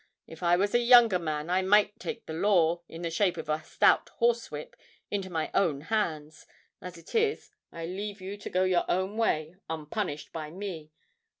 If I was a younger man, I might take the law, in the shape of a stout horse whip, into my own hands; as it is, I leave you to go your own way, unpunished by me.